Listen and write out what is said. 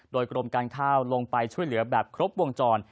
โดยกรมการข้าวลงไปช่วยเหลือแบบครบวงจร